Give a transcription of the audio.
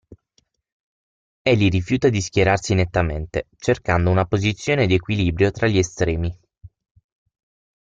Egli rifiuta di schierarsi nettamente, cercando una posizione di equilibrio tra gli estremi.